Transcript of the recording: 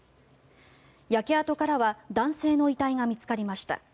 焼け跡からは男性の遺体が見つかりました。